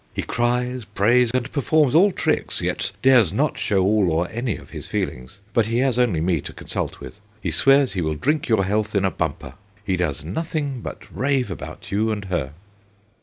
He cries, prays, and performs all tricks, yet dares not show all or any of his feelings, but he has only me to consult with. He swears he will drink your health in a bumper ... he does nothing but rave about you and her.'